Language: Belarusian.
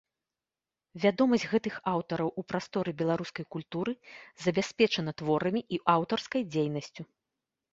Вядомасць гэтых аўтараў у прасторы беларускай культуры забяспечана творамі і аўтарскай дзейнасцю.